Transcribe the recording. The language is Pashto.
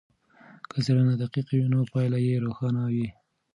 که څېړنه دقیقه وي نو پایله یې روښانه وي.